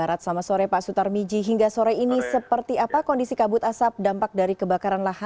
atau mendapat pemberitahuan dari pihak sekolah